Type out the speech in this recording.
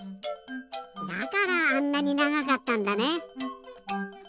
だからあんなにながかったんだね。